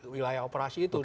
wilayah operasi itu